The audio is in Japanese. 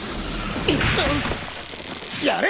やれ！